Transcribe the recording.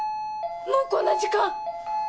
もうこんな時間！